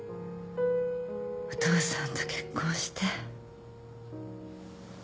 お父さんと結婚して。